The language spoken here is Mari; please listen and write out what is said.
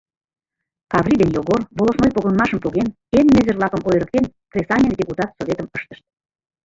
Каврий ден Йогор, волостной погынымашым поген, эн незер-влакым ойырыктен, Кресаньык депутат Советым ыштышт.